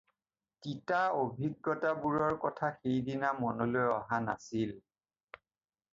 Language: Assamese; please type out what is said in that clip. তিতা অভিজ্ঞতা বোৰৰ কথা সেইদিনা মনলৈ অহা নাছিল।